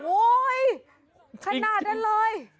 โอ้โฮใช่หน้าได้เลย